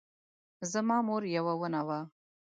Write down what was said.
زما مور یوه ونه وه